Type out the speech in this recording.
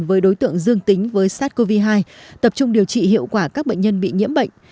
với đối tượng dương tính với sars cov hai tập trung điều trị hiệu quả các bệnh nhân bị nhiễm bệnh